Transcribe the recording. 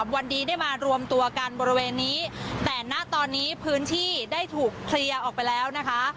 วันนี้ได้มารวมตัวกันบริเวณนี้แต่ณตอนนี้พื้นที่ได้ถูกเคลียร์ออกไปแล้วนะคะ